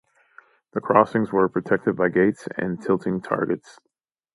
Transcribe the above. The crossings were protected by gates and tilting targets.